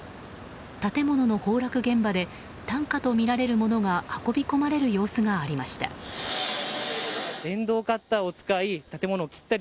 建物の崩落現場で担架とみられるものが運び込まれる様子がありました。